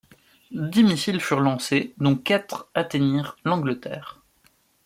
Dix missiles furent lancés, dont quatre atteignirent l'Angleterre.